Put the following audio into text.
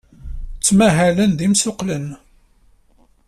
Ttmahalen d imsuqqlen.